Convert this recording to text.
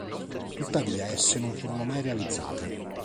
Tuttavia esse non furono mai realizzate.